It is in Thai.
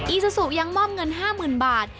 อซูซูยังมอบเงิน๕๐๐๐บาท